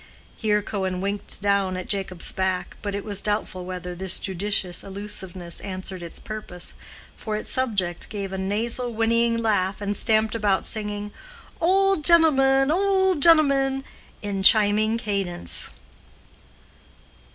Here Cohen winked down at Jacob's back, but it was doubtful whether this judicious allusiveness answered its purpose, for its subject gave a nasal whinnying laugh and stamped about singing, "Old gentlemen, old gentlemen," in chiming cadence.